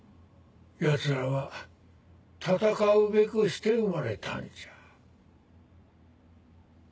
ヤツらは戦うべくして生まれたんじゃ。